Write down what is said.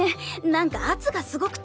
なんか圧がすごくて。